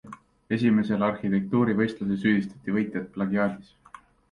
Esimesel arhitektuurivõistlusel süüdistati võitjat plagiaadis.